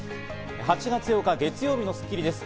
８月８日、月曜日の『スッキリ』です。